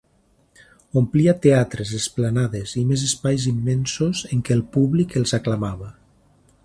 Omplia teatres, esplanades i més espais immensos en què el públic els aclamava.